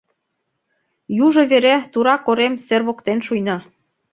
Южо вере тура корем сер воктен шуйна.